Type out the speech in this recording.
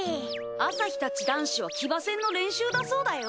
朝陽たち男子は騎馬戦の練習だそうだよ。